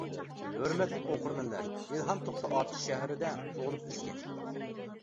ھۆرمەتلىك ئوقۇرمەنلەر، ئىلھام توختى ئاتۇش شەھىرىدە تۇغۇلۇپ ئۆسكەن.